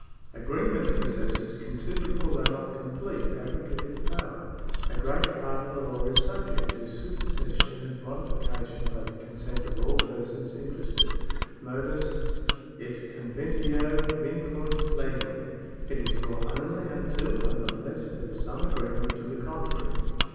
Agreement possesses considerable, though not complete, abrogative power. A great part of the law is subject to supersession and modification by the consent of all persons interested. Modus et conventio vincunt legem. It is law only until and unless there is some agreement to the contrary.